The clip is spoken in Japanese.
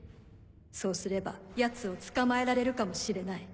そうすればヤツを捕まえられるかもしれない。